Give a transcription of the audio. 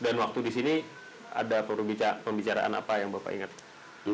dan waktu disini ada perbicaraan apa yang bapak inget